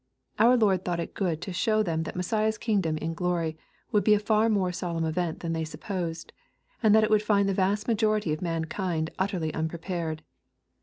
Our Lord thought it good to show them that Messiah's kingdom in glory would be a far more solemn event than they supposed, and that it would find the vast majority of mankind utterly unprepared.